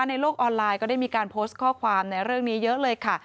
ในโลกออนไลน์ก็ได้มีการโพสต์ข้อความในเรื่องนี้เยอะเลยค่ะ